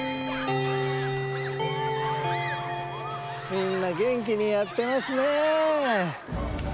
みんなげんきにやってますね。